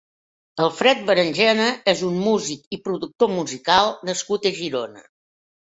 Alfred Berengena és un music i productor musical nascut a Girona.